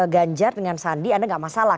ganjar dengan sandi anda nggak masalah